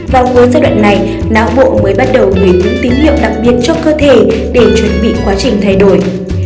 vào mùa giai đoạn này não bộ mới bắt đầu gửi những tín hiệu đặc biệt cho cơ thể để chuẩn bị quá trình thay đổi